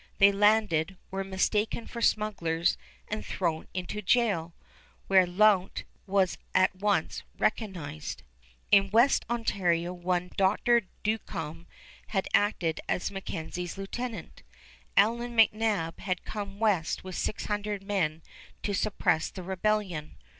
They landed, were mistaken for smugglers, and thrown into jail, where Lount was at once recognized. In West Ontario one Dr. Duncombe had acted as MacKenzie's lieutenant. Allan McNab had come west with six hundred men to suppress the rebellion.